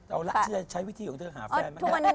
เอาละฉันจะใช้วิธีของเธอหาแฟนไหม